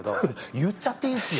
言っちゃっていいですよ。